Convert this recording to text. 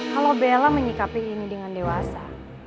kalau bella menyikapi ini dengan dewasa